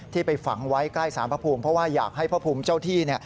ไปฝังไว้ใกล้สารพระภูมิเพราะว่าอยากให้พระภูมิเจ้าที่